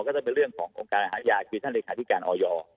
ก็จะเป็นเรื่องของโครงการหายาควิทย์ท่านรีขาธิการออยอร์